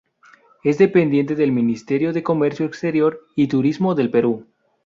Es dependiente del Ministerio de Comercio Exterior y Turismo del Perú.